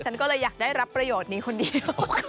ฉันก็เลยอยากได้รับประโยชน์นี้คนเดียว